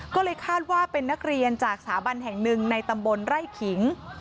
ก็เลยคาดว่าเป็นนักเรียนจากสถาบันแห่งหนึ่งในตำบลไร่ขิง